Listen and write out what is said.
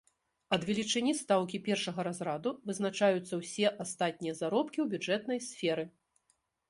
Ад велічыні стаўкі першага разраду вызначаюцца ўсе астатнія заробкі ў бюджэтнай сферы.